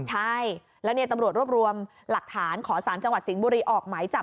ใช่แล้วเนี่ยตำรวจรวบรวมหลักฐานขอศาลจังหวัดสิงบุรีออกไหมจับ